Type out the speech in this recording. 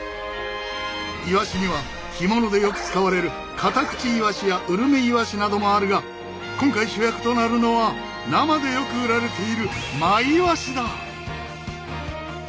イワシには干物でよく使われるカタクチイワシやウルメイワシなどもあるが今回主役となるのは生でよく売られているマイワシだ。